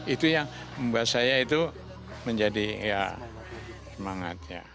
itu yang membuat saya itu menjadi ya semangat ya